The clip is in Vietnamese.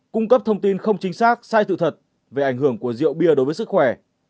cung cấp thông tin không chính xác sai sự thật về ảnh hưởng của rượu bia đối với sức khỏe